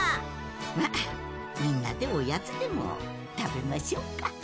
まあみんなでおやつでもたべましょうか。